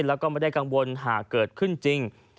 แล้วก็ไม่ได้กังวลหากเกิดขึ้นจริง